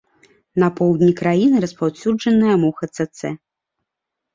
На поўдні краіны распаўсюджаная муха цэцэ.